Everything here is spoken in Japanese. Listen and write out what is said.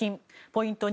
ポイント